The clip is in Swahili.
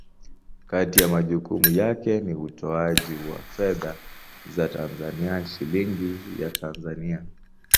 Kati ya majukumu yake ni utoaji wa fedha za Tanzania, Shilingi ya Tanzania.